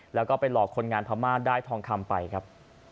แล้วก็ไปหลอกคนงานพม่าได้ทองคำไปครับ